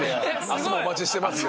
「明日もお待ちしてます」